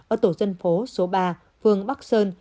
ở tổ dân phố số ba phường bắc sơn